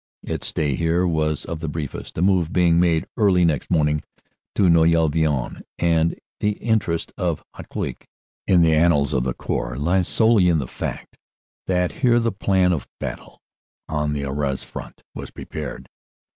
Its stay here was of the briefest, a move being made early next morning to Noyelle Vion, and the interest of Hautecloque in the annals of the Corps lies solely in the fact that here the plan of battle on the Arras front was prepared.